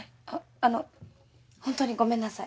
あの本当にごめんなさい。